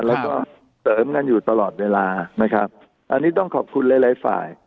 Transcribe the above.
แล้วก็เสริมกันอยู่ตลอดเวลานะครับอันนี้ต้องขอบคุณหลายหลายฝ่าย